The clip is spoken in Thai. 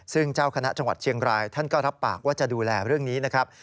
ซึ่งเจ้าคณะจังหวัดเชียงรายท่านก็รับปากว่าจะดูแลเรื่องนี้นะครับ